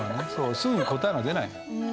すぐ答えが出ない。